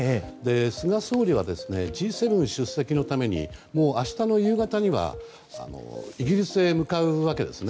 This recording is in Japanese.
菅総理はＧ７出席のために明日の夕方にはイギリスへ向かうわけです。